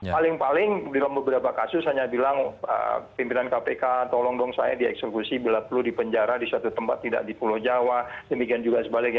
paling paling dalam beberapa kasus hanya bilang pimpinan kpk tolong dong saya dieksekusi bila perlu dipenjara di suatu tempat tidak di pulau jawa demikian juga sebaliknya